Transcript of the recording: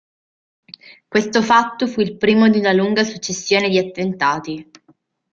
Questo fatto fu il primo di una lunga successione di attentati.